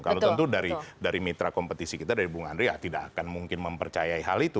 kalau tentu dari mitra kompetisi kita dari bung andri ya tidak akan mungkin mempercayai hal itu